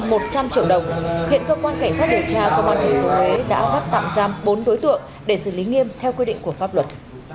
hiện cơ quan cảnh sát điều tra công an tp huế đã bắt tạm giam bốn đối tượng để xử lý nghiêm theo quy định của pháp luật